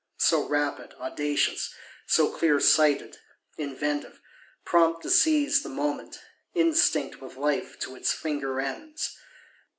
So rapid, audacious; so clear sighted, inventive, prompt to seize the moment; instinct with life to its finger ends!